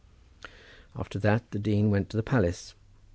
After that, the dean went to the palace.